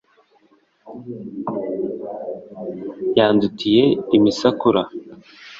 yandutiye imisakura